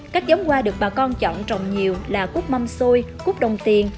các giống hoa được bà con chọn trồng nhiều là cút mâm xôi cút đồng tiền